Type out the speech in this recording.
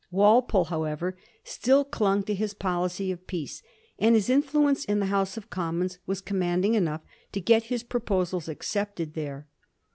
Walpole, however, still clung to his policy of peace, and his influence in the House of Commons was commanding enough to get his proposals accepted there.